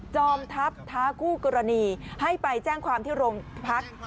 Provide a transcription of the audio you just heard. อมทัพท้าคู่กรณีให้ไปแจ้งความที่โรงพัก